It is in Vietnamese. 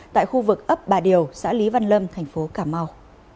tại khu vực ấp bà điều xã lý văn lâm tp cà mau